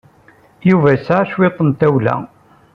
Yuba yesɛa cwiṭ n tawla.